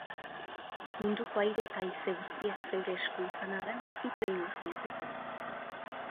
munduko aire eta haize guztiak zeure esku izan arren, ito egingo zinateke